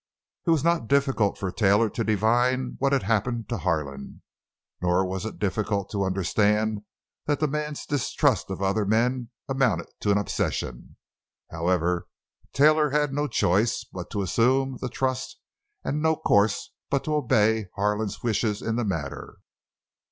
It was not difficult for Taylor to divine what had happened to Harlan, nor was it difficult to understand that the man's distrust of other men amounted to an obsession. However, Taylor had no choice but to assume the trust and no course but to obey Harlan's wishes in the matter.